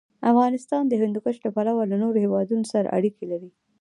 افغانستان د هندوکش له پلوه له نورو هېوادونو سره اړیکې لري.